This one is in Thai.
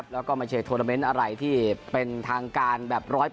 แล้วก็ไม่ใช่โทรเมนต์อะไรที่เป็นทางการแบบ๑๐๐